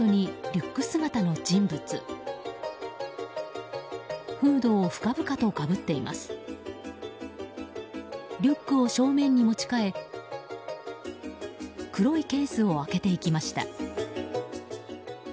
リュックを正面に持ち替え黒いケースを開けていきました。